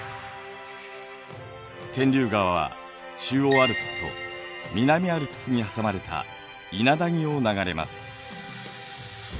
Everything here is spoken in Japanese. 天竜川は中央アルプスと南アルプスに挟まれた伊那谷を流れます。